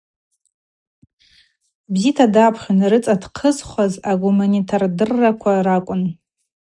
Бзита дапхьун, рыцӏа дхъызхуаз агуманитар дырраква ракӏвын.